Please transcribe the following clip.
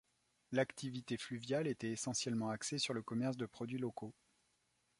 L'activité fluviale était essentiellement axée sur le commerce de produit locaux.